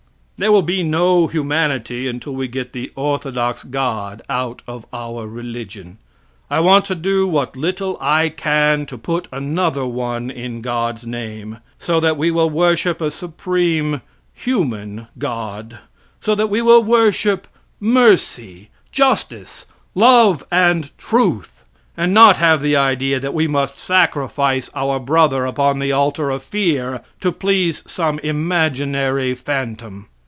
There will be no humanity until we get the orthodox God out of our religion. I want to do what little I can to put another one in God's name, so that we will worship a supreme human god, so that we will worship mercy, justice, love and truth, and not have the idea that we must sacrifice our brother upon the altar of fear to please some imaginary phantom.